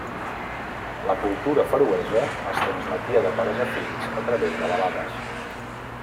La cultura feroesa es transmetia de pares a fills a través de balades.